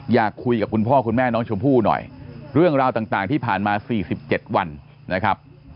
อยากคุยกับคุณพ่อคุณแม่น้องชมพู่หน่อยเรื่องราวต่างที่ผ่านมา๔๗วันนะครับ